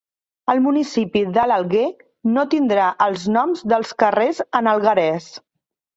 El municipi de l'Alguer no tindrà els noms dels carrers en alguerès